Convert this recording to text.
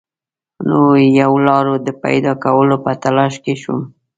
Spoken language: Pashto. نویو لارو د پیدا کولو په تلاښ کې شوم.